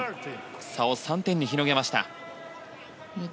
差を３点に広げました。